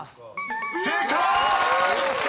［正解！］